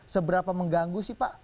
seberapa mengganggu sih pak